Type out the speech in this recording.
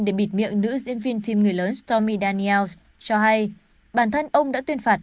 để bịt miệng nữ diễn viên phim người lớn stormy daniels cho hay bản thân ông đã tuyên phạt